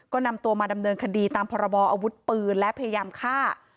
ก็นำตัวมาดำเนินคดีตามพรบออาวุธปืนและพยายามฆ่า